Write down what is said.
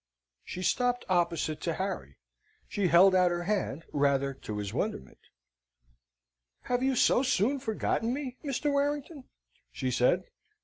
She stopped opposite to Harry; she held out her hand, rather to his wonderment: "Have you so soon forgotten me, Mr. Warrington?" she said.